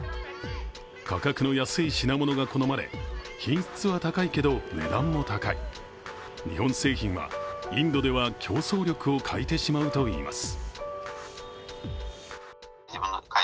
価格の安い品物が好まれ品質は高いけど値段も高い、日本製品は、インドでは競争力を欠いてしまうといいます。